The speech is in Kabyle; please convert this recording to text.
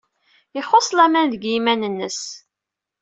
Ixuṣṣ laman deg yiman-nnes.